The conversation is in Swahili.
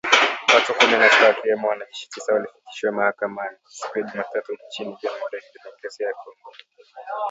Watu kumi na sita wakiwemo wanajeshi tisa walifikishwa mahakamani ,siku ya Jumatatu ,nchini Jamuhuri ya Kidemokrasia ya Kongo